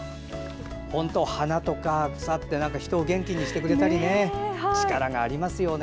本当に花とか草って人を元気にしてくれたり力がありますよね。